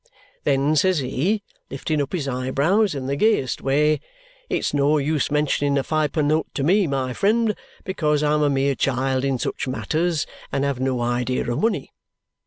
Then says he, lifting up his eyebrows in the gayest way, 'It's no use mentioning a fypunnote to me, my friend, because I'm a mere child in such matters and have no idea of money.'